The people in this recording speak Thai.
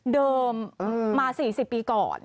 เดิมมา๔๐ปีก่อน